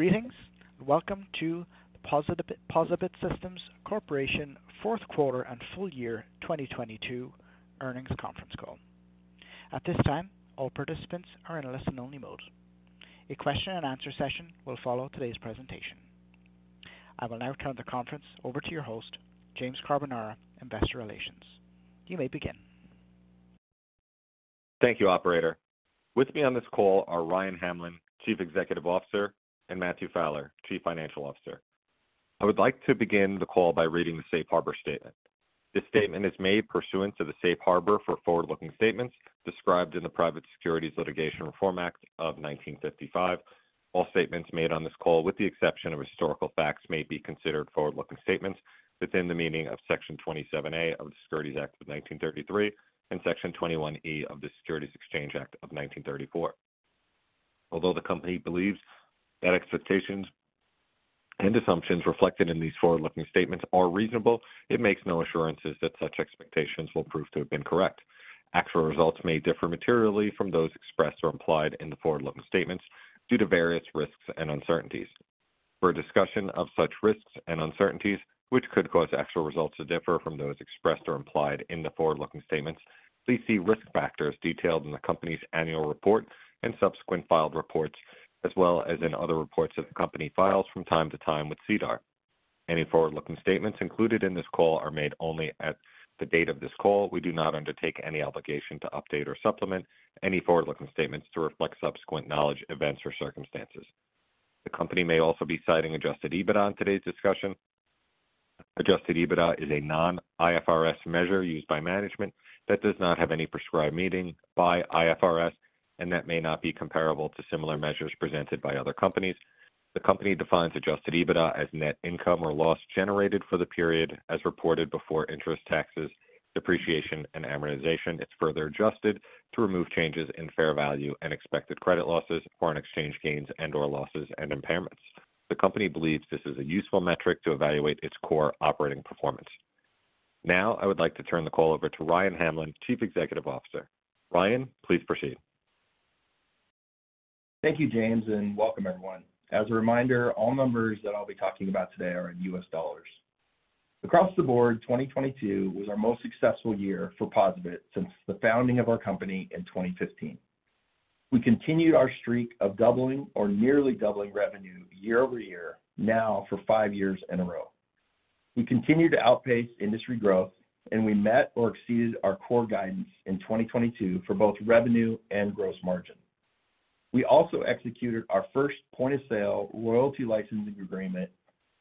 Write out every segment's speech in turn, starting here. Greetings, welcome to the POSaBIT Systems Corporation fourth quarter and full year 2022 earnings conference call. At this time, all participants are in a listen-only mode. A question and answer session will follow today's presentation. I will now turn the conference over to your host, James Carbonara, Investor Relations. You may begin. Thank you, operator. With me on this call are Ryan Hamlin, Chief Executive Officer, and Matthew Fowler, Chief Financial Officer. I would like to begin the call by reading the safe harbor statement. This statement is made pursuant to the Safe Harbor for forward-looking statements described in the Private Securities Litigation Reform Act of 1995. All statements made on this call, with the exception of historical facts, may be considered forward-looking statements within the meaning of Section 27A of the Securities Act of 1933 and Section 21E of the Securities Exchange Act of 1934. Although the company believes that expectations and assumptions reflected in these forward-looking statements are reasonable, it makes no assurances that such expectations will prove to have been correct. Actual results may differ materially from those expressed or implied in the forward-looking statements due to various risks and uncertainties. For a discussion of such risks and uncertainties, which could cause actual results to differ from those expressed or implied in the forward-looking statements, please see risk factors detailed in the company's annual report and subsequent filed reports, as well as in other reports that the company files from time to time with SEDAR. Any forward-looking statements included in this call are made only at the date of this call. We do not undertake any obligation to update or supplement any forward-looking statements to reflect subsequent knowledge, events, or circumstances. The company may also be citing adjusted EBITDA in today's discussion. Adjusted EBITDA is a non-IFRS measure used by management that does not have any prescribed meaning by IFRS and that may not be comparable to similar measures presented by other companies. The company defines adjusted EBITDA as net income or loss generated for the period as reported before interest, taxes, depreciation, and amortization. It's further adjusted to remove changes in fair value and expected credit losses, foreign exchange gains and/or losses and impairments. The company believes this is a useful metric to evaluate its core operating performance. I would like to turn the call over to Ryan Hamlin, Chief Executive Officer. Ryan, please proceed. Thank you, James. Welcome everyone. As a reminder, all numbers that I'll be talking about today are in US dollars. Across the board, 2022 was our most successful year for POSaBIT since the founding of our company in 2015. We continued our streak of doubling or nearly doubling revenue year-over-year now for 5 years in a row. We continue to outpace industry growth. We met or exceeded our core guidance in 2022 for both revenue and gross margin. We also executed our first point-of-sale royalty licensing agreement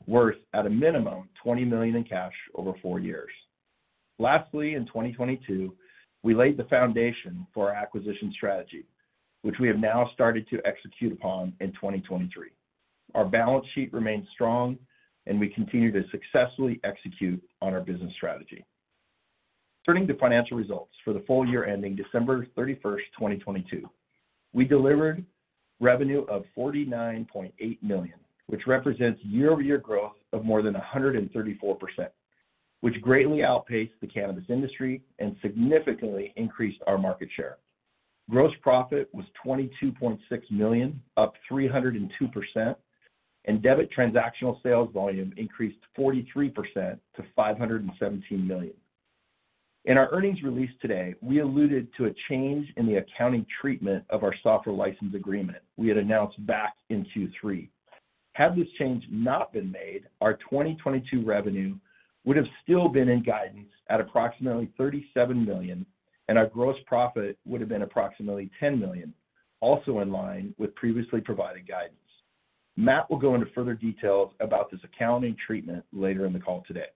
worth at a minimum, $20 million in cash over 4 years. Lastly, in 2022, we laid the foundation for our acquisition strategy, which we have now started to execute upon in 2023. Our balance sheet remains strong. We continue to successfully execute on our business strategy. Turning to financial results for the full year ending December 31st, 2022, we delivered revenue of $49.8 million, which represents year-over-year growth of more than 134%, which greatly outpaced the cannabis industry and significantly increased our market share. Gross profit was $22.6 million, up 302%, and debit transactional sales volume increased 43% to $517 million. In our earnings release today, we alluded to a change in the accounting treatment of our software license agreement we had announced back in Q3. Had this change not been made, our 2022 revenue would have still been in guidance at approximately $37 million, and our gross profit would have been approximately $10 million, also in line with previously provided guidance. Matt will go into further details about this accounting treatment later in the call today.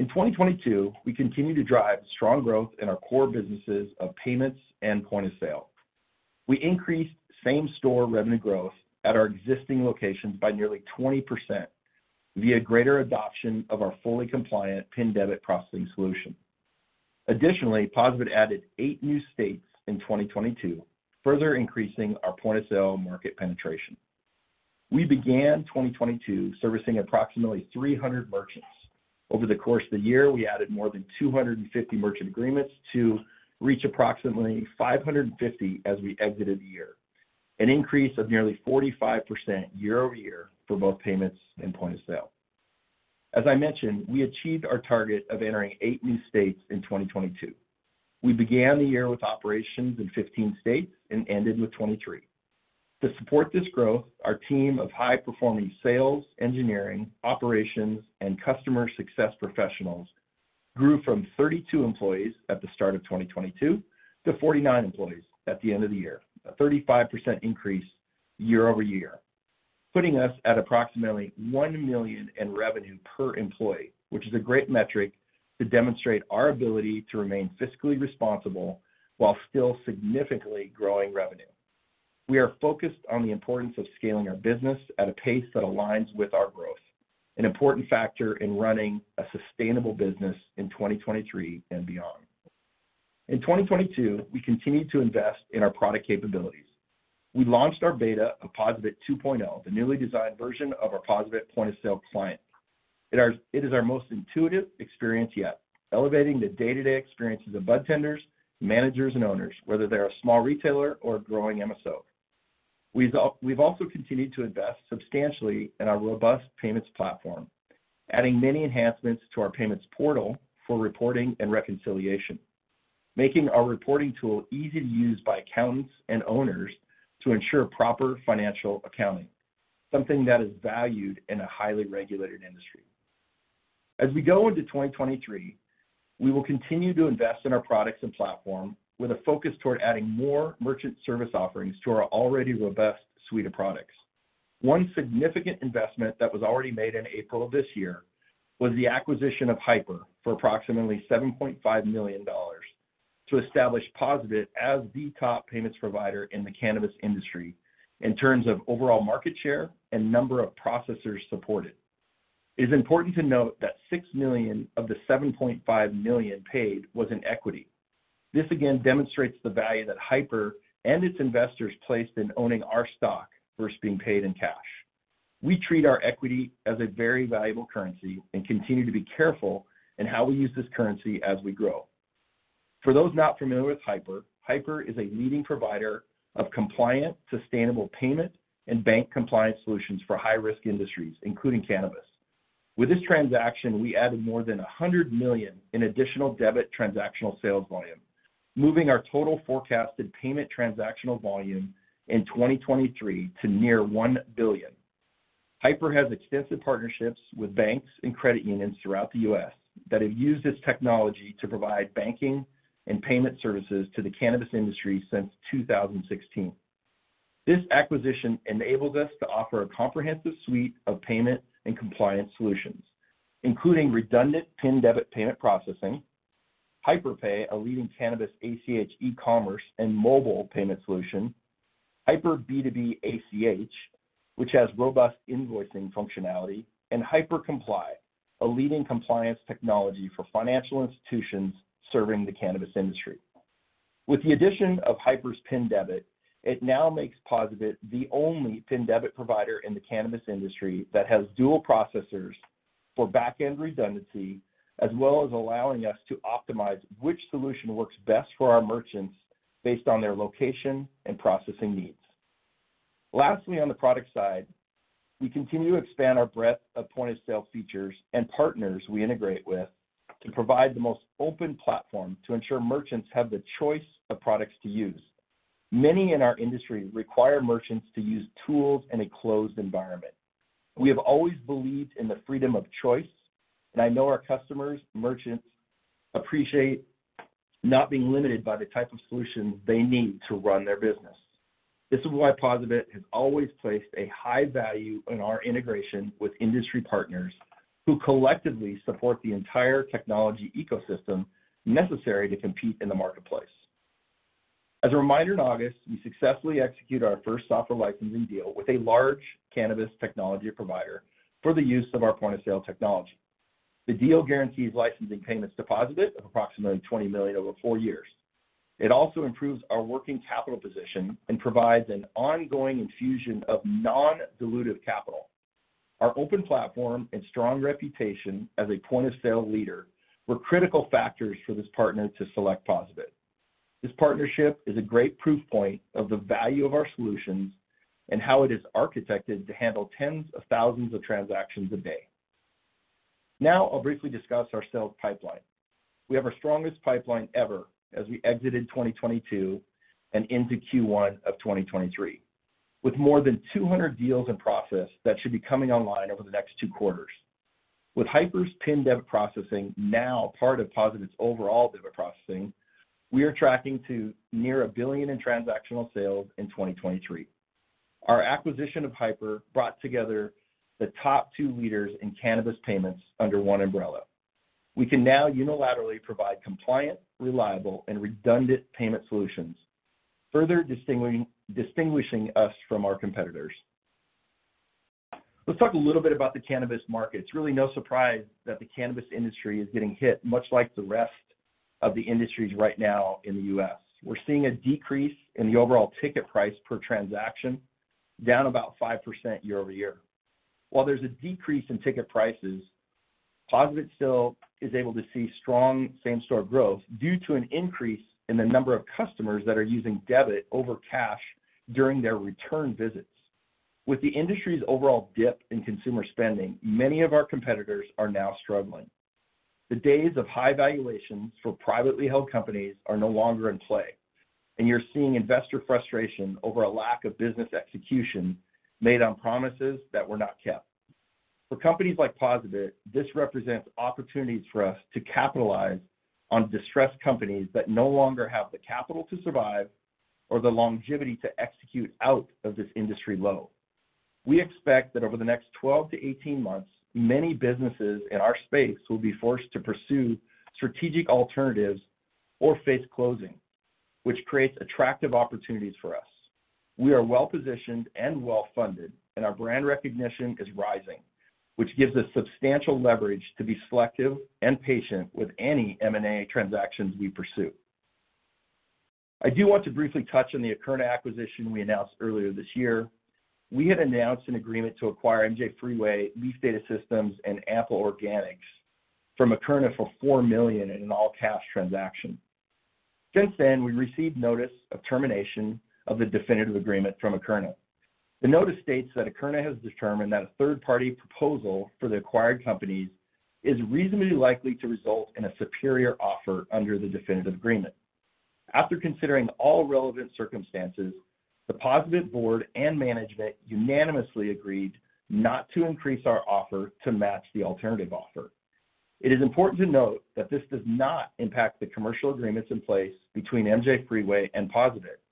In 2022, we continued to drive strong growth in our core businesses of payments and point of sale. We increased same-store revenue growth at our existing locations by nearly 20% via greater adoption of our fully compliant PIN debit processing solution. POSaBIT added eight new states in 2022, further increasing our point-of-sale market penetration. We began 2022 servicing approximately 300 merchants. Over the course of the year, we added more than 250 merchant agreements to reach approximately 550 as we exited the year, an increase of nearly 45% year-over-year for both payments and point of sale. We achieved our target of entering eight new states in 2022. We began the year with operations in 15 states and ended with 23. To support this growth, our team of high-performing sales, engineering, operations, and customer success professionals grew from 32 employees at the start of 2022 to 49 employees at the end of the year. A 35% increase year-over-year, putting us at approximately $1 million in revenue per employee, which is a great metric to demonstrate our ability to remain fiscally responsible while still significantly growing revenue. We are focused on the importance of scaling our business at a pace that aligns with our growth, an important factor in running a sustainable business in 2023 and beyond. In 2022, we continued to invest in our product capabilities. We launched our beta of POSaBIT 2.0, the newly designed version of our POSaBIT point-of-sale client. It is our most intuitive experience yet, elevating the day-to-day experiences of bud tenders, managers, and owners, whether they're a small retailer or a growing MSO. We've also continued to invest substantially in our robust payments platform, adding many enhancements to our payments portal for reporting and reconciliation, making our reporting tool easy to use by accountants and owners to ensure proper financial accounting, something that is valued in a highly regulated industry. As we go into 2023, we will continue to invest in our products and platform with a focus toward adding more merchant service offerings to our already robust suite of products. One significant investment that was already made in April of this year was the acquisition of Hypur for approximately $7.5 million to establish POSaBIT as the top payments provider in the cannabis industry in terms of overall market share and number of processors supported. It is important to note that $6 million of the $7.5 million paid was in equity. This again demonstrates the value that Hypur and its investors placed in owning our stock versus being paid in cash. We treat our equity as a very valuable currency and continue to be careful in how we use this currency as we grow. For those not familiar with Hypur is a leading provider of compliant, sustainable payment and bank compliance solutions for high-risk industries, including cannabis. With this transaction, we added more than $100 million in additional debit transactional sales volume, moving our total forecasted payment transactional volume in 2023 to near $1 billion. Hypur has extensive partnerships with banks and credit unions throughout the U.S. that have used this technology to provide banking and payment services to the cannabis industry since 2016. This acquisition enables us to offer a comprehensive suite of payment and compliance solutions, including redundant PIN debit payment processing, Hypur Pay, a leading cannabis ACH eCommerce and mobile payment solution, Hypur B2B ACH, which has robust invoicing functionality, and Hypur Comply, a leading compliance technology for financial institutions serving the cannabis industry. With the addition of Hypur's PIN debit, it now makes POSaBIT the only PIN debit provider in the cannabis industry that has dual processors for back-end redundancy as well as allowing us to optimize which solution works best for our merchants based on their location and processing needs. Lastly, on the product side, we continue to expand our breadth of point-of-sale features and partners we integrate with to provide the most open platform to ensure merchants have the choice of products to use. Many in our industry require merchants to use tools in a closed environment. We have always believed in the freedom of choice, and I know our customers, merchants appreciate not being limited by the type of solution they need to run their business. This is why POSaBIT has always placed a high value on our integration with industry partners who collectively support the entire technology ecosystem necessary to compete in the marketplace. As a reminder, in August, we successfully executed our first software licensing deal with a large cannabis technology provider for the use of our point-of-sale technology. The deal guarantees licensing payments to POSaBIT of approximately $20 million over 4 years. It also improves our working capital position and provides an ongoing infusion of non-dilutive capital. Our open platform and strong reputation as a point-of-sale leader were critical factors for this partner to select POSaBIT. This partnership is a great proof point of the value of our solutions and how it is architected to handle tens of thousands of transactions a day. Now I'll briefly discuss our sales pipeline. We have our strongest pipeline ever as we exited 2022 and into Q1 of 2023, with more than 200 deals in process that should be coming online over the next 2 quarters. With Hypur's PIN debit processing now part of POSaBIT's overall debit processing, we are tracking to near $1 billion in transactional sales in 2023. Our acquisition of Hypur brought together the top two leaders in cannabis payments under one umbrella. We can now unilaterally provide compliant, reliable, and redundant payment solutions, further distinguishing us from our competitors. Let's talk a little bit about the cannabis market. It's really no surprise that the cannabis industry is getting hit much like the rest of the industries right now in the U.S. We're seeing a decrease in the overall ticket price per transaction, down about 5% year-over-year. While there's a decrease in ticket prices, POSaBIT still is able to see strong same-store growth due to an increase in the number of customers that are using debit over cash during their return visits. With the industry's overall dip in consumer spending, many of our competitors are now struggling. The days of high valuations for privately held companies are no longer in play, and you're seeing investor frustration over a lack of business execution made on promises that were not kept. For companies like POSaBIT, this represents opportunities for us to capitalize on distressed companies that no longer have the capital to survive or the longevity to execute out of this industry lull. We expect that over the next 12-18 months, many businesses in our space will be forced to pursue strategic alternatives or face closing, which creates attractive opportunities for us. We are well-positioned and well-funded, and our brand recognition is rising, which gives us substantial leverage to be selective and patient with any M&A transactions we pursue. I do want to briefly touch on the Akerna acquisition we announced earlier this year. We had announced an agreement to acquire MJ Freeway, Leaf Data Systems, and Ample Organics from Akerna for $4 million in an all-cash transaction. Since then, we received notice of termination of the definitive agreement from Akerna. The notice states that Akerna has determined that a third-party proposal for the acquired companies is reasonably likely to result in a superior offer under the definitive agreement. After considering all relevant circumstances, the POSaBIT board and management unanimously agreed not to increase our offer to match the alternative offer. It is important to note that this does not impact the commercial agreements in place between MJ Freeway and POSaBIT,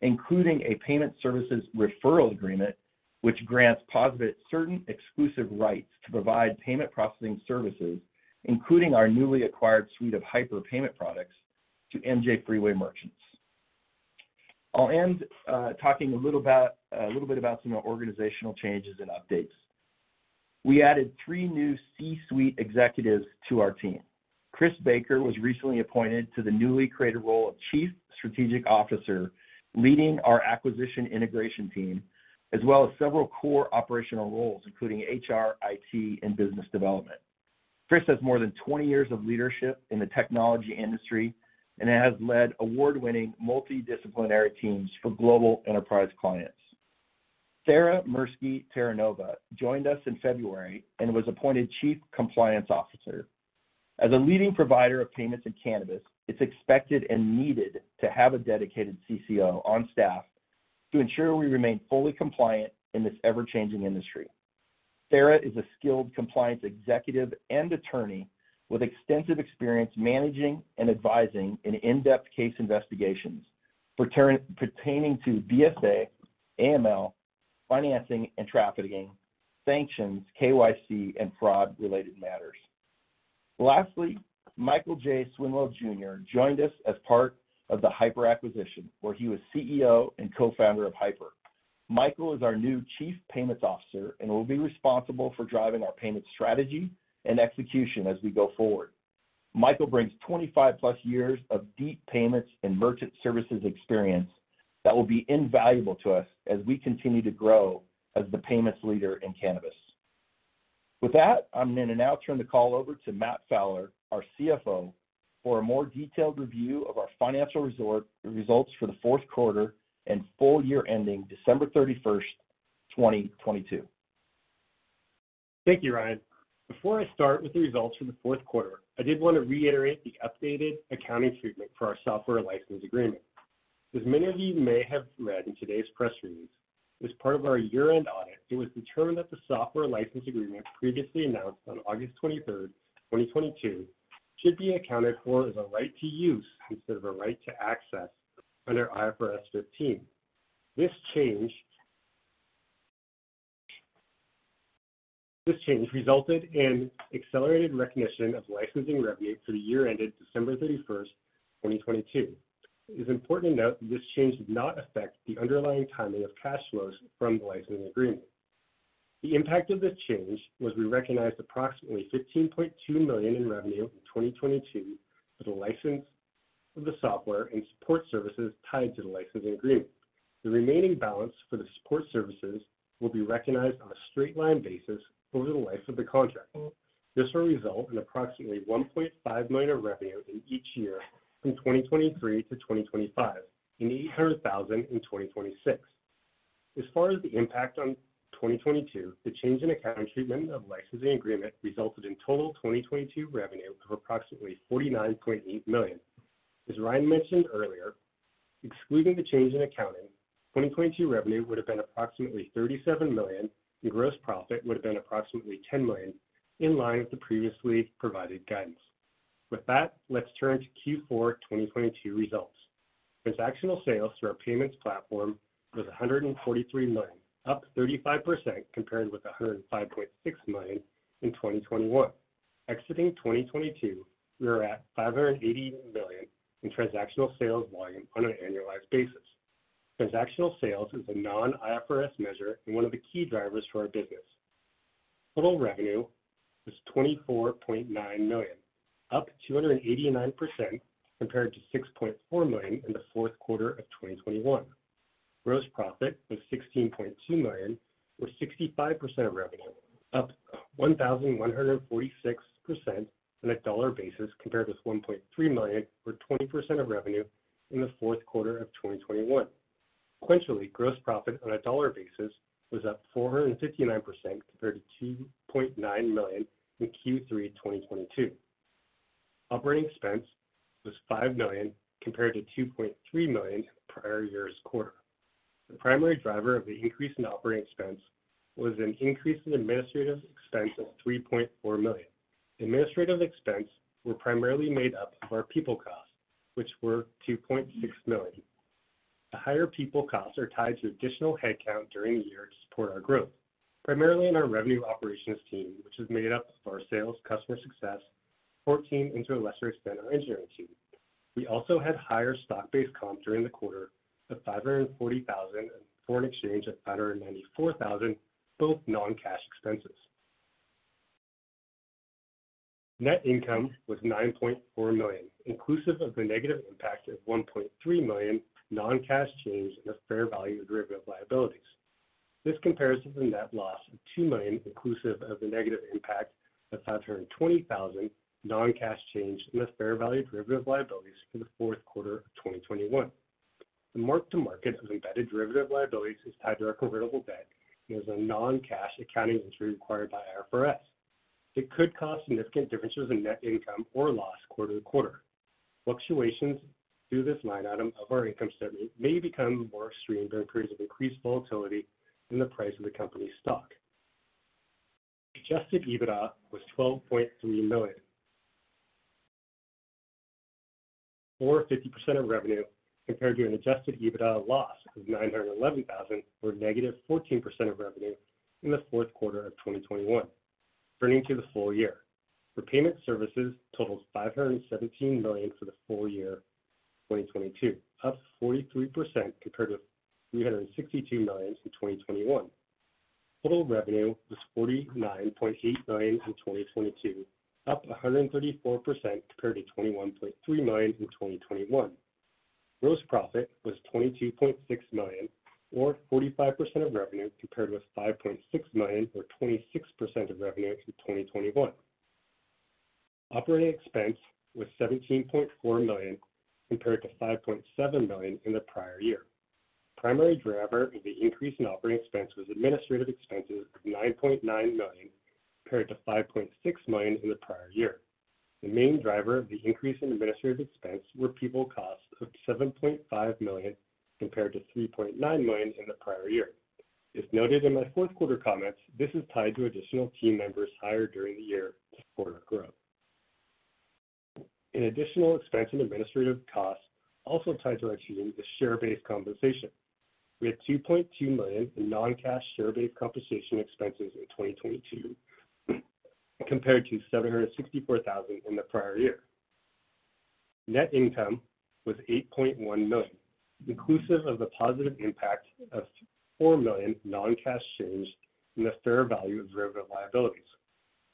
including a payment services referral agreement, which grants POSaBIT certain exclusive rights to provide payment processing services, including our newly acquired suite of Hypur payment products to MJ Freeway merchants. I'll end talking a little bit about some organizational changes and updates. We added three new C-suite executives to our team. Chris Baker was recently appointed to the newly created role of Chief Strategic Officer, leading our acquisition integration team, as well as several core operational roles, including HR, IT, and business development. Chris has more than 20 years of leadership in the technology industry and has led award-winning multidisciplinary teams for global enterprise clients. Sarah Mirsky-Terranova joined us in February and was appointed Chief Compliance Officer. As a leading provider of payments in cannabis, it's expected and needed to have a dedicated CCO on staff to ensure we remain fully compliant in this ever-changing industry. Sarah is a skilled compliance executive and attorney with extensive experience managing and advising in in-depth case investigations pertaining to BSA, AML, financing and trafficking, sanctions, KYC, and fraud-related matters. Lastly, Michael J. Sinnwell, Jr. joined us as part of the Hypur acquisition, where he was CEO and co-founder of Hypur. Michael is our new Chief Payments Officer and will be responsible for driving our payment strategy and execution as we go forward. Michael brings 25+ years of deep payments and merchant services experience that will be invaluable to us as we continue to grow as the payments leader in cannabis. With that, I'm going to now turn the call over to Matt Fowler, our CFO, for a more detailed review of our financial results for the fourth quarter and full year ending December 31st, 2022. Thank you, Ryan. Before I start with the results for the 4th quarter, I did want to reiterate the updated accounting treatment for our software license agreement. As many of you may have read in today's press release, as part of our year-end audit, it was determined that the software license agreement previously announced on August 23rd, 2022, should be accounted for as a right to use instead of a right to access under IFRS 15. This change resulted in accelerated recognition of licensing revenue for the year ended December 31st, 2022. It is important to note that this change does not affect the underlying timing of cash flows from the licensing agreement. The impact of this change was we recognized approximately $15.2 million in revenue in 2022 for the license of the software and support services tied to the licensing agreement. The remaining balance for the support services will be recognized on a straight line basis over the life of the contract. This will result in approximately $1.5 million of revenue in each year from 2023 to 2025, and $800,000 in 2026. As far as the impact on 2022, the change in accounting treatment of licensing agreement resulted in total 2022 revenue of approximately $49.8 million. As Ryan mentioned earlier, excluding the change in accounting, 2022 revenue would have been approximately $37 million, and gross profit would have been approximately $10 million in line with the previously provided guidance. With that, let's turn to Q4 2022 results. Transactional sales through our payments platform was $143 million, up 35% compared with $105.6 million in 2021. Exiting 2022, we are at $580 million in transactional sales volume on an annualized basis. Transactional sales is a non-IFRS measure and one of the key drivers to our business. Total revenue was $24.9 million, up 289% compared to $6.4 million in the fourth quarter of 2021. Gross profit was $16.2 million, or 65% of revenue, up 1,146% on a dollar basis compared with $1.3 million for 20% of revenue in the fourth quarter of 2021. Sequentially, gross profit on a dollar basis was up 459% compared to $2.9 million in Q3 2022. Operating expense was $5 million compared to $2.3 million in the prior year's quarter. The primary driver of the increase in operating expense was an increase in administrative expense of $3.4 million. Administrative expense were primarily made up of our people costs, which were $2.6 million. The higher people costs are tied to additional headcount during the year to support our growth, primarily in our revenue operations team, which is made up of our sales, customer success, our team, and to a lesser extent, our engineering team. We also had higher stock-based comp during the quarter of $540,000 for an exchange of $194,000, both non-cash expenses. Net income was $9.4 million, inclusive of the negative impact of $1.3 million non-cash change in the fair value of derivative liabilities. This compares to the net loss of $2 million, inclusive of the negative impact of $520,000 non-cash change in the fair value of derivative liabilities for the fourth quarter of 2021. The mark-to-market of embedded derivative liabilities is tied to our convertible debt and is a non-cash accounting entry required by IFRS. It could cause significant differences in net income or loss quarter to quarter. Fluctuations through this line item of our income statement may become more extreme during periods of increased volatility in the price of the company's stock. Adjusted EBITDA was $12.3 million, or 50% of revenue compared to an adjusted EBITDA loss of $911,000, or -14% of revenue in the fourth quarter of 2021. Turning to the full year. Repayment services totals $517 million for the full year 2022, up 43% compared to $362 million in 2021. Total revenue was $49.8 million in 2022, up 134% compared to $21.3 million in 2021. Gross profit was $22.6 million or 45% of revenue compared with $5.6 million or 26% of revenue in 2021. Operating expense was $17.4 million compared to $5.7 million in the prior year. Primary driver of the increase in operating expense was administrative expenses of $9.9 million compared to $5.6 million in the prior year. The main driver of the increase in administrative expense were people costs of $7.5 million compared to $3.9 million in the prior year. As noted in my fourth quarter comments, this is tied to additional team members hired during the year to support our growth. Additional expense and administrative costs also tied to our choosing is share-based compensation. We had $2.2 million in non-cash share-based compensation expenses in 2022 compared to $764,000 in the prior year. Net income was $8.1 million, inclusive of the positive impact of $4 million non-cash change in the fair value of derivative liabilities.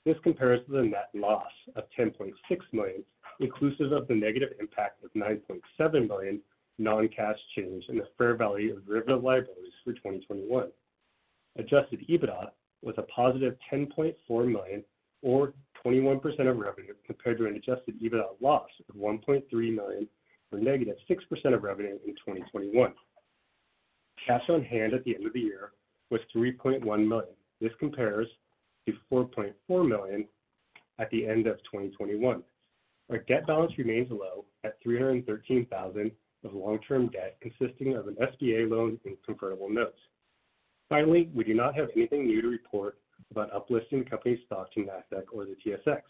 This compares to the net loss of $10.6 million, inclusive of the negative impact of $9.7 million non-cash change in the fair value of derivative liabilities for 2021. Adjusted EBITDA was a positive $10.4 million or 21% of revenue compared to an adjusted EBITDA loss of $1.3 million or -6% of revenue in 2021. Cash on hand at the end of the year was $3.1 million. This compares to $4.4 million at the end of 2021. Our debt balance remains low at $313,000 of long-term debt consisting of an SBA loan and convertible notes. We do not have anything new to report about uplisting company stock to Nasdaq or the TSX,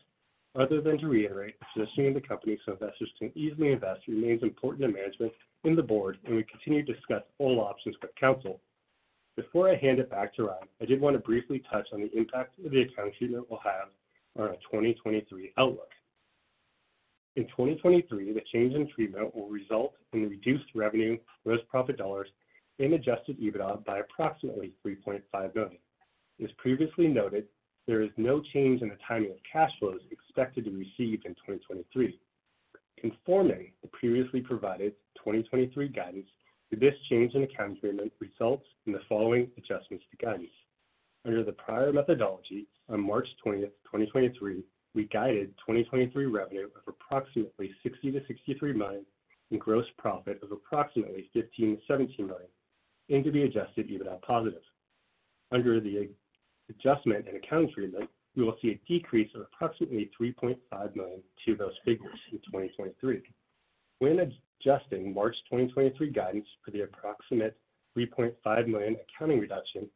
other than to reiterate the listing of the company so investors can easily invest remains important to management and the board, and we continue to discuss all options with counsel. Before I hand it back to Ryan, I did want to briefly touch on the impact of the account treatment will have on our 2023 outlook. In 2023, the change in treatment will result in reduced revenue, gross profit dollars and adjusted EBITDA by approximately $3.5 million. As previously noted, there is no change in the timing of cash flows expected to receive in 2023. Conforming the previously provided 2023 guidance to this change in account treatment results in the following adjustments to guidance. Under the prior methodology, on March 20th, 2023, we guided 2023 revenue of approximately $60 million-$63 million, and gross profit of approximately $15 million-$17 million and to be adjusted EBITDA positive. Under the adjustment and accounting treatment, we will see a decrease of approximately $3.5 million to those figures in 2023. When adjusting March 2023 guidance for the approximate $3.5 million accounting reduction,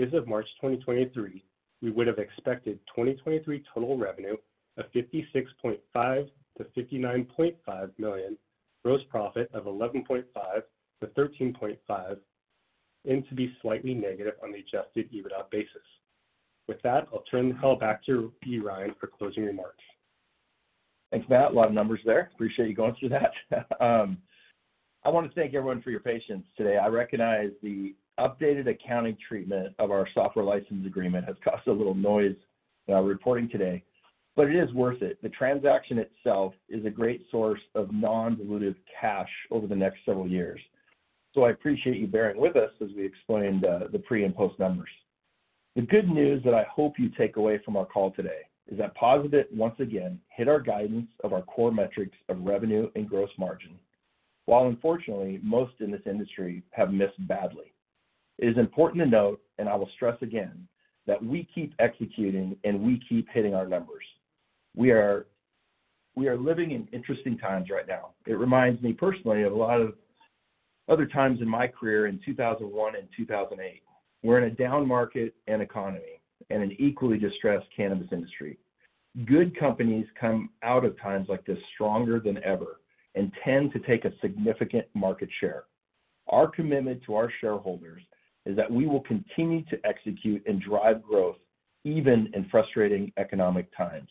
as of March 2023, we would have expected 2023 total revenue of $56.5 million-$59.5 million, gross profit of $11.5 million-$13.5 million, and to be slightly negative on the adjusted EBITDA basis. With that, I'll turn the call back to you, Ryan, for closing remarks. Thanks, Matt. A lot of numbers there. Appreciate you going through that. I wanna thank everyone for your patience today. I recognize the updated accounting treatment of our software license agreement has caused a little noise in our reporting today. It is worth it. The transaction itself is a great source of non-dilutive cash over the next several years. I appreciate you bearing with us as we explain the pre- and post-numbers. The good news that I hope you take away from our call today is that POSaBIT, once again, hit our guidance of our core metrics of revenue and gross margin, while unfortunately, most in this industry have missed badly. It is important to note, I will stress again, that we keep executing, and we keep hitting our numbers. We are living in interesting times right now. It reminds me personally of a lot of other times in my career in 2001 and 2008. We're in a down market and economy, and an equally distressed cannabis industry. Good companies come out of times like this stronger than ever and tend to take a significant market share. Our commitment to our shareholders is that we will continue to execute and drive growth even in frustrating economic times.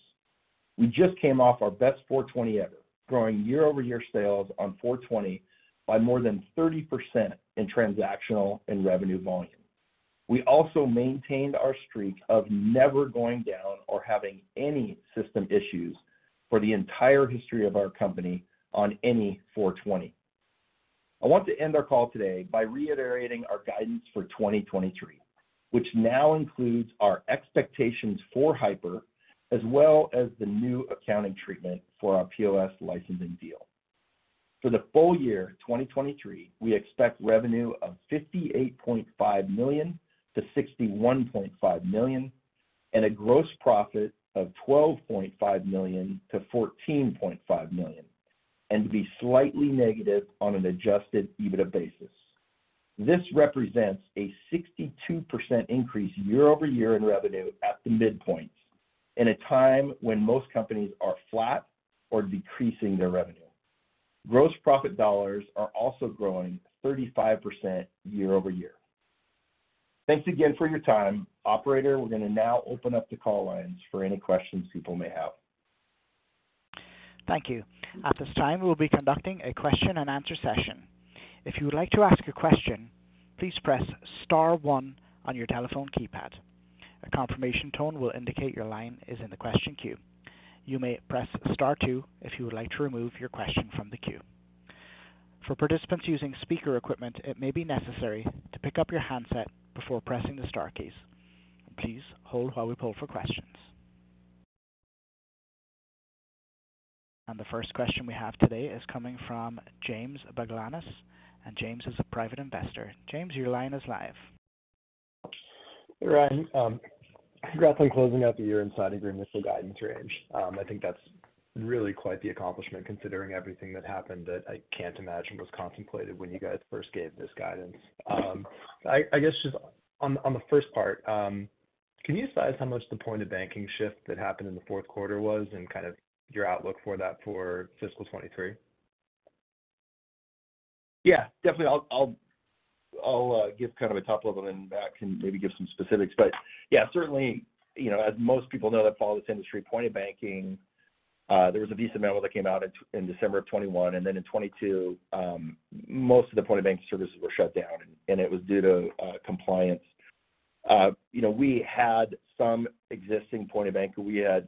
We just came off our best 4/20 ever, growing year-over-year sales on 4/20 by more than 30% in transactional and revenue volume. We also maintained our streak of never going down or having any system issues for the entire history of our company on any 4/20. I want to end our call today by reiterating our guidance for 2023, which now includes our expectations for Hypur, as well as the new accounting treatment for our POS licensing deal. For the full year 2023, we expect revenue of $58.5 million-$61.5 million, and a gross profit of $12.5 million-$14.5 million, and to be slightly negative on an adjusted EBITDA basis. This represents a 62% increase year-over-year in revenue at the midpoint in a time when most companies are flat or decreasing their revenue. Gross profit dollars are also growing 35% year-over-year. Thanks again for your time. Operator, we're going to now open up the call lines for any questions people may have. Thank you. At this time, we'll be conducting a question and answer session. If you would like to ask a question, please press star one on your telephone keypad. A confirmation tone will indicate your line is in the question queue. You may press star two if you would like to remove your question from the queue. For participants using speaker equipment, it may be necessary to pick up your handset before pressing the star keys. Please hold while we poll for questions. The first question we have today is coming from James Baglanis, and James is a private investor. James, your line is live. Ryan, congrats on closing out the year and signing your initial guidance range. I think that's really quite the accomplishment, considering everything that happened that I can't imagine was contemplated when you guys first gave this guidance. I guess just on the first part, can you size how much the point of banking shift that happened in the fourth quarter was and kind of your outlook for that for fiscal 2023? Definitely. I'll give kind of a top level then Matt can maybe give some specifics. Certainly, you know, as most people know that follow this industry, point-of-banking, there was a Visa memo that came out in December of 2021. In 2022, most of the point-of-banking services were shut down, and it was due to compliance. You know, we had some existing point-of-bank.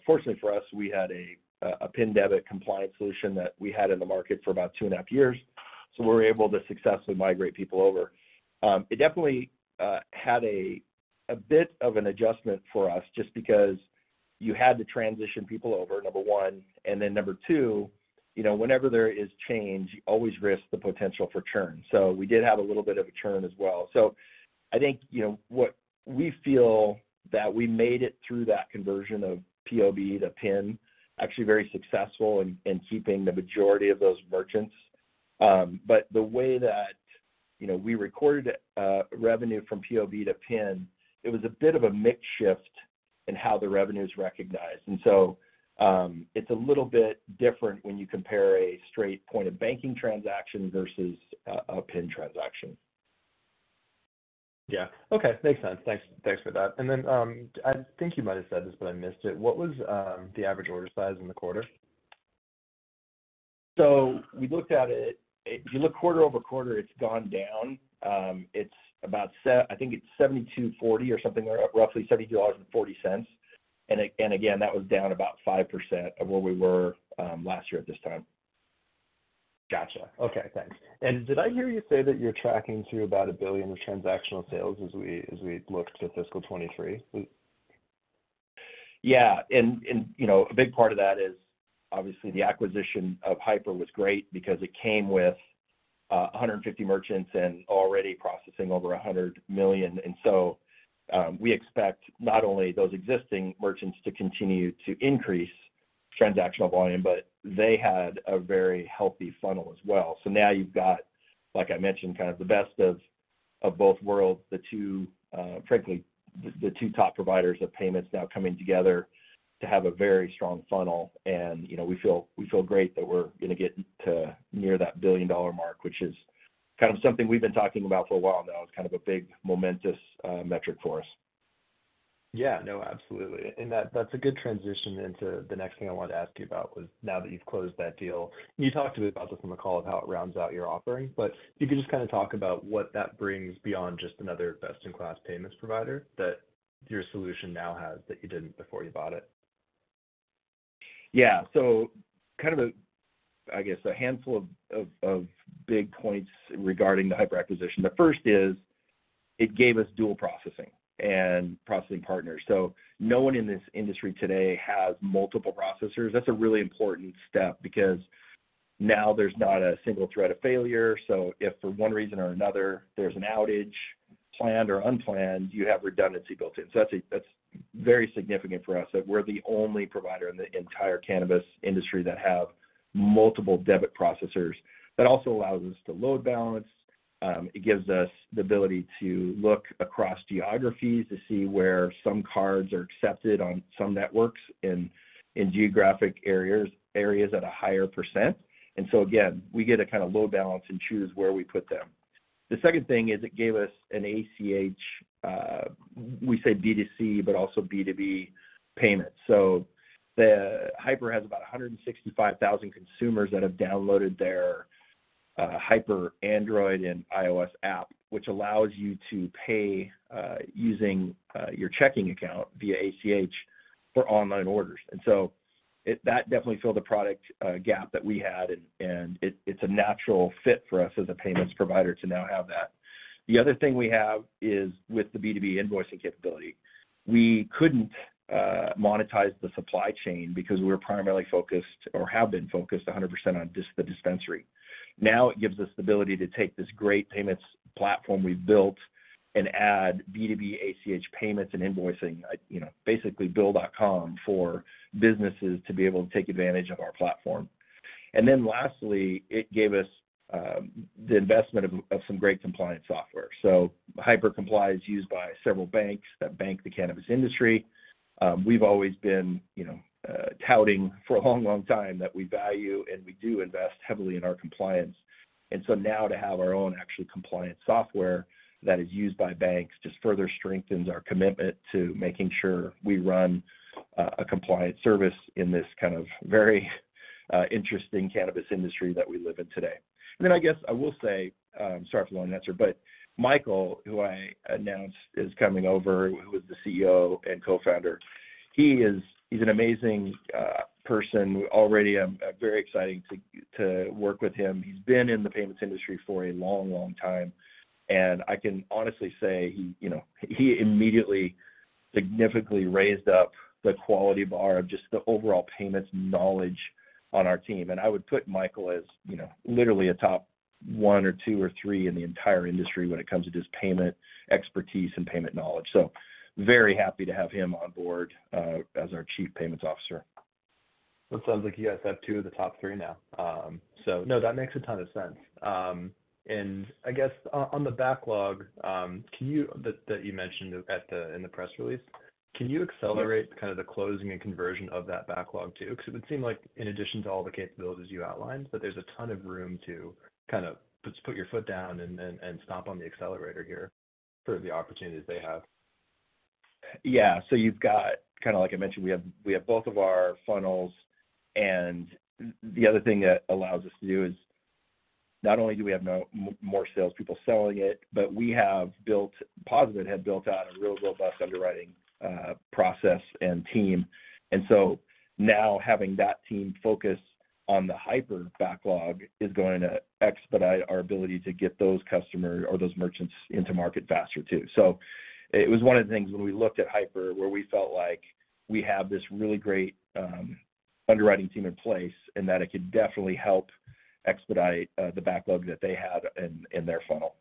Fortunately for us, we had a PIN debit compliance solution that we had in the market for about 2.5 years, so we were able to successfully migrate people over. It definitely had a bit of an adjustment for us just because you had to transition people over, number one. Number 2, you know, whenever there is change, you always risk the potential for churn. We did have a little bit of a churn as well. I think, you know, what we feel that we made it through that conversion of POB to PIN actually very successful in keeping the majority of those merchants. The way that, you know, we recorded revenue from POB to PIN, it was a bit of a mix shift in how the revenue is recognized. It's a little bit different when you compare a straight point of banking transaction versus a PIN transaction. Yeah. Okay. Makes sense. Thanks for that. I think you might have said this, but I missed it. What was the average order size in the quarter? We looked at it. If you look quarter-over-quarter, it's gone down. It's about I think it's $72.40 or something or roughly $72.40. Again, that was down about 5% of where we were last year at this time. Gotcha. Okay. Thanks. Did I hear you say that you're tracking to about $1 billion of transactional sales as we look to fiscal 2023? Yeah. You know, a big part of that is obviously the acquisition of Hypur was great because it came with 150 merchants and already processing over $100 million. We expect not only those existing merchants to continue to increase transactional volume, but they had a very healthy funnel as well. Now you've got, like I mentioned, kind of the best of both worlds, the two, frankly, the two top providers of payments now coming together to have a very strong funnel. You know, we feel great that we're gonna get to near that $1 billion mark, which is kind of something we've been talking about for a while now. It's kind of a big momentous metric for us. Yeah. No, absolutely. That's a good transition into the next thing I wanted to ask you about was now that you've closed that deal, you talked a bit about this on the call of how it rounds out your offering, but if you can just kind of talk about what that brings beyond just another best-in-class payments provider that your solution now has that you didn't before you bought it. Kind of a, I guess, a handful of big points regarding the Hypur acquisition. The first is it gave us dual processing and processing partners. No one in this industry today has multiple processors. That's a really important step because now there's not a single thread of failure. If for one reason or another there's an outage, planned or unplanned, you have redundancy built in. That's very significant for us that we're the only provider in the entire cannabis industry that have multiple debit processors. That also allows us to load balance. It gives us the ability to look across geographies to see where some cards are accepted on some networks in geographic areas at a higher %. Again, we get to kind of load balance and choose where we put them. The second thing is it gave us an ACH, we say B2C, but also B2B payment. The Hypur has about 165,000 consumers that have downloaded their Hypur Android and iOS app, which allows you to pay using your checking account via ACH for online orders. That definitely filled the product gap that we had, and it's a natural fit for us as a payments provider to now have that. The other thing we have is with the B2B invoicing capability. We couldn't monetize the supply chain because we were primarily focused or have been focused 100% on the dispensary. It gives us the ability to take this great payments platform we've built and add B2B ACH payments and invoicing, you know, basically Bill.com for businesses to be able to take advantage of our platform. Lastly, it gave us the investment of some great compliance software. Hypur Comply is used by several banks that bank the cannabis industry. We've always been, you know, touting for a long, long time that we value, and we do invest heavily in our compliance. Now to have our own actual compliance software that is used by banks just further strengthens our commitment to making sure we run a compliant service in this kind of very interesting cannabis industry that we live in today. I guess I will say, sorry for the long answer, Michael, who I announced is coming over, who is the CEO and co-founder, he's an amazing person. Already I'm very exciting to work with him. He's been in the payments industry for a long, long time, I can honestly say he, you know, he immediately significantly raised up the quality bar of just the overall payments knowledge on our team. I would put Michael as, you know, literally a top one or two or three in the entire industry when it comes to just payment expertise and payment knowledge. Very happy to have him on board as our Chief Payments Officer. That sounds like you guys have two of the top three now. No, that makes a ton of sense. I guess on the backlog, can you that you mentioned in the press release, can you accelerate... Yeah. Kind of the closing and conversion of that backlog too? It would seem like in addition to all the capabilities you outlined, but there's a ton of room to kind of put your foot down and stomp on the accelerator here for the opportunities they have. Kinda like I mentioned, we have both of our funnels and the other thing that allows us to do is not only do we have no more salespeople selling it, but POSaBIT had built out a real robust underwriting process and team. Now having that team focus on the Hypur backlog is going to expedite our ability to get those customer or those merchants into market faster, too. It was one of the things when we looked at Hypur where we felt like we have this really great underwriting team in place, and that it could definitely help expedite the backlog that they have in their funnel.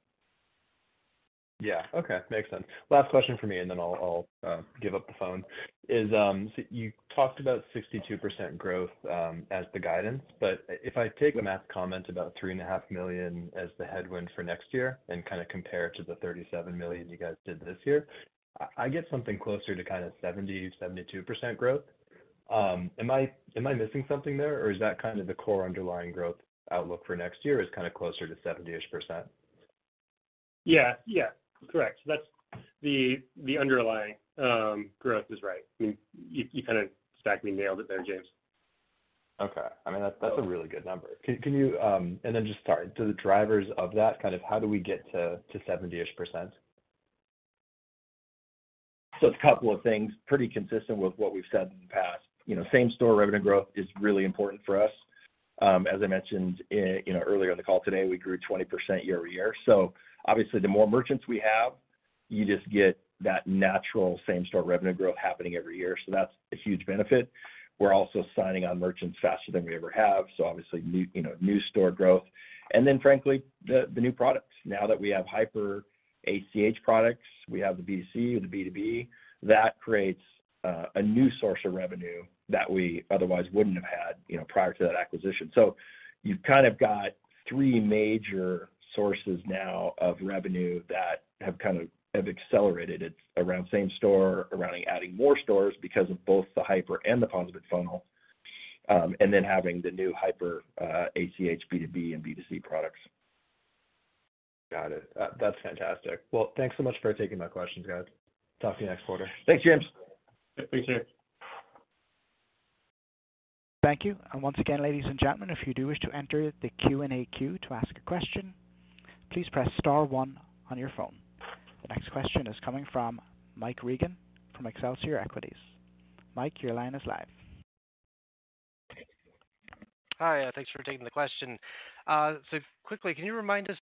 Yeah. Okay. Makes sense. Last question for me, and then I'll give up the phone. Is, you talked about 62% growth as the guidance. If I take Matt's comment about three and a half million as the headwind for next year and kinda compare it to the $37 million you guys did this year, I get something closer to kind of 70, 72% growth. Am I missing something there, or is that kind of the core underlying growth outlook for next year is kind of closer to 70-ish%? Yeah. Yeah. Correct. That's the underlying growth is right. I mean, you kinda stacked me. Nailed it there, James. Okay. I mean, that's a really good number. Then just sorry, so the drivers of that, kind of how do we get to 70-ish%? It's a couple of things, pretty consistent with what we've said in the past. You know, same-store revenue growth is really important for us. As I mentioned, you know, earlier in the call today, we grew 20% year over year. Obviously the more merchants we have, you just get that natural same-store revenue growth happening every year. That's a huge benefit. We're also signing on merchants faster than we ever have, obviously new, you know, new store growth. Frankly, the new products. Now that we have Hypur ACH products, we have the B2C or the B2B, that creates a new source of revenue that we otherwise wouldn't have had, you know, prior to that acquisition. You've kind of got three major sources now of revenue that have accelerated. It's around same store, around adding more stores because of both the Hypur and the POSaBIT funnel, and then having the new Hypur ACH B2B and B2C products. Got it. That's fantastic. Well, thanks so much for taking my questions, guys. Talk to you next quarter. Thanks, James. Yep. Thanks, James. Thank you. Once again, ladies and gentlemen, if you do wish to enter the Q&A queue to ask a question, please press star one on your phone. The next question is coming from Mike Regan from Excelsior Equities. Mike, your line is live. Hi. Thanks for taking the question. Quickly, can you remind us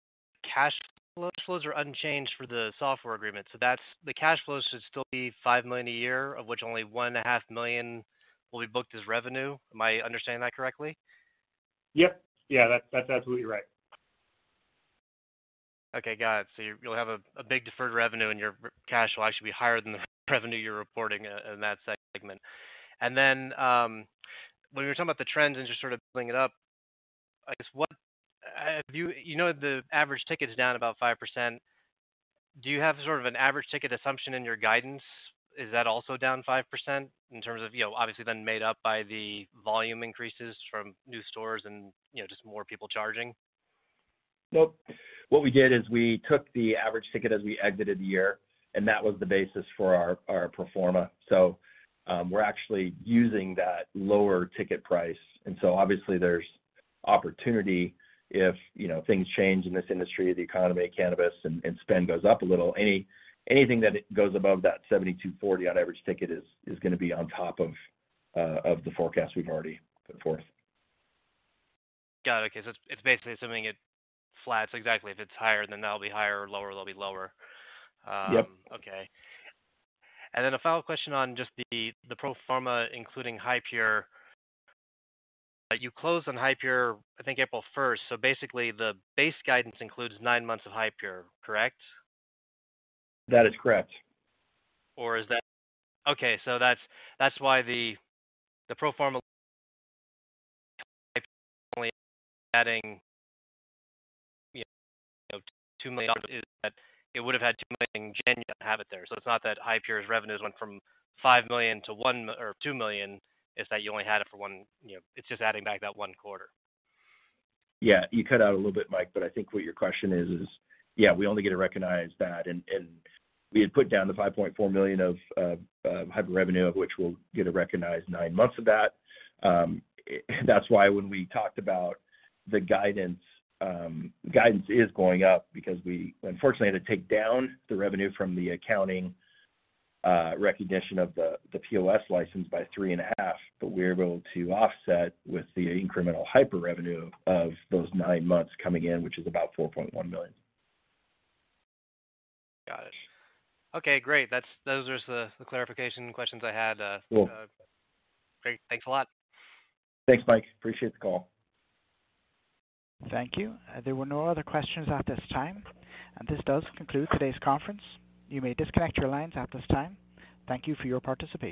cash flows are unchanged for the software agreement, the cash flows should still be $5 million a year, of which only $ one and a half million will be booked as revenue. Am I understanding that correctly? Yep. Yeah. That's absolutely right. Okay. Got it. You'll have a big deferred revenue, and your cash will actually be higher than the revenue you're reporting in that segment. When you were talking about the trends and just sort of pulling it up, I guess what have you know, the average ticket is down about 5%. Do you have sort of an average ticket assumption in your guidance? Is that also down 5% in terms of, you know, obviously then made up by the volume increases from new stores and, you know, just more people charging? Nope. What we did is we took the average ticket as we exited the year, and that was the basis for our pro forma. We're actually using that lower ticket price, and so obviously there's opportunity if, you know, things change in this industry, the economy of cannabis and spend goes up a little. Anything that goes above that $72.40 on average ticket is gonna be on top of the forecast we've already put forth. Got it. Okay, it's basically assuming it flats. Exactly. If it's higher, then that'll be higher or lower, it'll be lower. Yep. Okay. a final question on just the pro forma, including Hypur. You closed on Hypur, I think April 1st, so basically the base guidance includes 9 months of Hypur, correct? That is correct. is that. Okay, that's why the pro forma adding, you know, $2 million is that it would have had $2 million genuine have it there. It's not that Hypur's revenues went from $5 million to $1 million or $2 million, it's that you only had it for one, you know, it's just adding back that one quarter. Yeah. You cut out a little bit, Mike, but I think what your question is, yeah, we only get to recognize that and we had put down the $5.4 million of Hypur revenue, of which we'll get to recognize nine months of that. That's why when we talked about the guidance is going up because we unfortunately had to take down the revenue from the accounting recognition of the POS license by three and a half, but we're able to offset with the incremental Hypur revenue of those nine months coming in, which is about $4.1 million. Got it. Okay, great. Those are the clarification questions I had. Cool. Great. Thanks a lot. Thanks, Mike. Appreciate the call. Thank you. There were no other questions at this time. This does conclude today's conference. You may disconnect your lines at this time. Thank you for your participation.